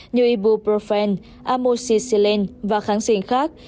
như ibuprofen amoxicillin và kháng sinh khác